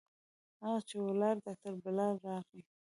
هغه چې ولاړ ډاکتر بلال راغى.